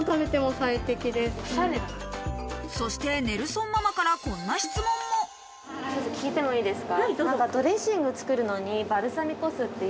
そしてネルソンママからこんな質問も聞いてもいいですか？